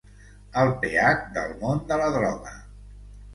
El pH del món de la droga.